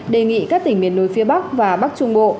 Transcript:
đề nghị các tỉnh miền núi phía bắc và bắc trung bộ